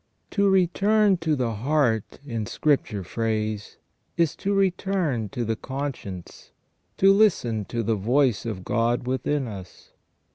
To return to the heart, in Scripture phrase, is to return to the conscience, to listen to the voice of God within us.